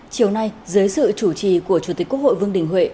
chiều nay dưới sự chủ trì của chủ tịch quốc hội vương đình huệ